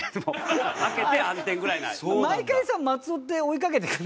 毎回さ松尾って追いかけてくる？